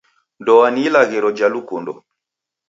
Ndoa ni ilaghiro ja lukundo.